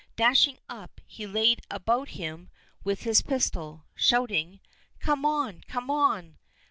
Dashing up, he laid about him with his pistol, shouting, "Come on! come on!"